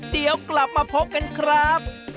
เดี๋ยวกลับมาพบกันครับ